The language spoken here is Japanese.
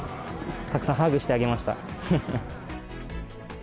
たくさんハグしてあげました。